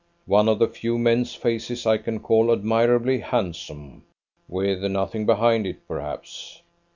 One of the few men's faces I can call admirably handsome; with nothing behind it, perhaps.